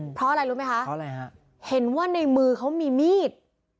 เพราะอะไรรู้ไหมคะเพราะอะไรฮะเห็นว่าในมือเขามีมีด